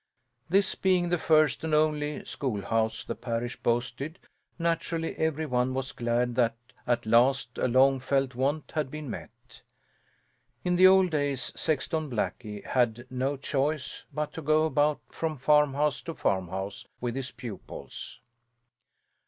This being the first and only schoolhouse the parish boasted, naturally every one was glad that at last a long felt want had been met. In the old days Sexton Blackie had no choice but to go about from farmhouse to farmhouse with his pupils.